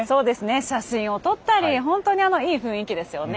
写真を撮ったり本当にいい雰囲気ですよね。